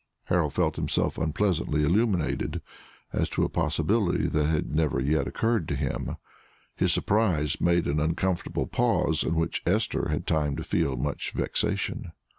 Harold felt himself unpleasantly illuminated as to a possibility that had never yet occurred to him. His surprise made an uncomfortable pause, in which Esther had time to feel much vexation.